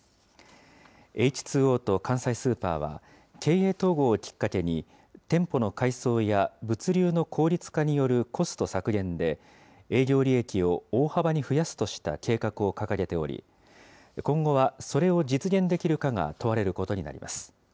エイチ・ツー・オーと関西スーパーは、経営統合をきっかけに、店舗の改装や、物流の効率化によるコスト削減で、営業利益を大幅に増やすとした計画を掲げており、今後はそれを実現できるかが問われることになります。